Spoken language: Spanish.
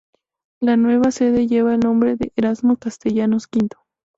La nueva sede lleva el nombre de Erasmo Castellanos Quinto.